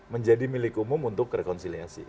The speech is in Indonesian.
menjadi milik umum untuk rekonsiliasi